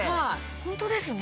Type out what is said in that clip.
ホントですね。